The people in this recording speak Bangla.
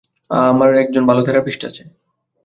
আ-আমার ভালো একজন থেরাপিস্ট আছে।